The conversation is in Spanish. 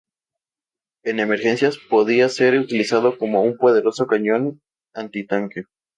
En emergencias, podía ser utilizado como un poderoso cañón antitanque.